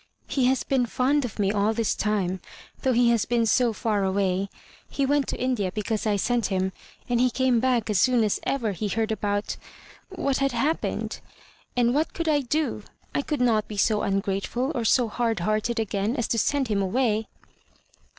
" He has been fond of me all this time, though he has been so far away. He went to India because I sent him, and he came back as soon as ever he heard about — ^what had happened. And what could I do? I could not be so ungrateful or so hard hearted again as to send him away